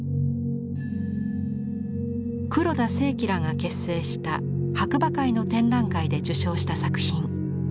黒田清輝らが結成した「白馬会」の展覧会で受賞した作品。